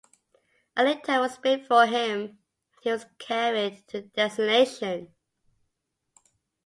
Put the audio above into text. A litter was built for him and he was carried to the destination.